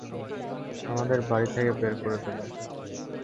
আমাদের বাড়ি থেকে বের করে দেবে।